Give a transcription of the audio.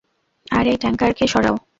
আর এই ট্যাঙ্কারকে সরাও।